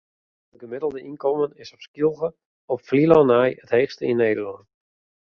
It gemiddelde ynkommen is op Skylge op Flylân nei it heechste yn Nederlân.